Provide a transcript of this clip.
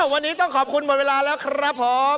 วันนี้ต้องขอบคุณหมดเวลาแล้วครับผม